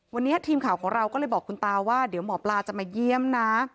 วันนี้ทีมข่าวของเราก็เลยบอกคุณตาว่าเดี๋ยวหมอปลาจะมาเยี่ยมนะ